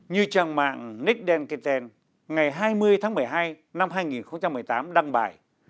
như trang mạng netdenkenden ngày hai mươi tháng một mươi hai năm hai nghìn một mươi tám đăng bài